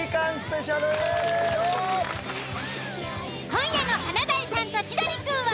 ［今夜の『華大さんと千鳥くん』は］